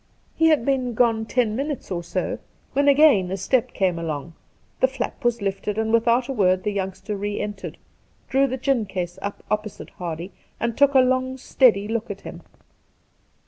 He had been gone ten minutes or so, when again a step came along; the flap was lifted, and without a word the youngster re entered, drew the gin case up opposite Hardy, and took a long steady look at him.